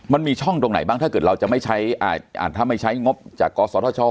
มันมีช่องตรงไหนบ้างถ้าไม่ใช้งบจากกศ